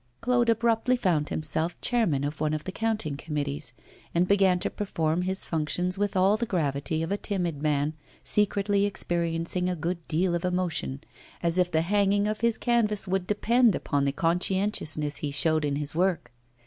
Claude abruptly found himself chairman of one of the counting committees, and began to perform his functions with all the gravity of a timid man, secretly experiencing a good deal of emotion, as if the hanging of his canvas would depend upon the conscientiousness he showed in his work.